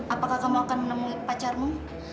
apakah kamu akan menemui pacarmu